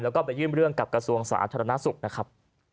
แล้วก็ไปยื่นเรื่องกับกระทรวงสาธารณสุขนะครับ